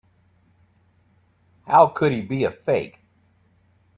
How could he be a fake?